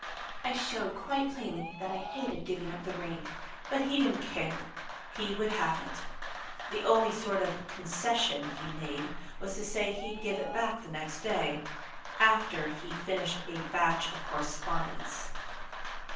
I showed quite plainly that I hated giving up the ring. But he didn't care. He would have it. The only sort of 'concession' he made was to say he'd give it back next day after he'd finished a batch of correspondence.